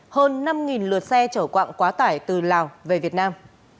hơn năm lượt xe chở quạng quá tải từ lào về việt nam